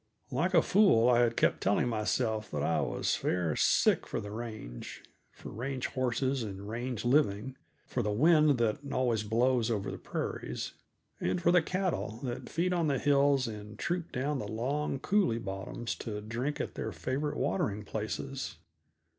Like a fool I had kept telling myself that I was fair sick for the range; for range horses and range living; for the wind that always blows over the prairies, and for the cattle that feed on the hills and troop down the long coulée bottoms to drink at their favorite watering places.